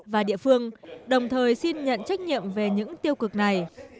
và địa phương đồng thời xin nhận trách nhiệm về những tiêu cực này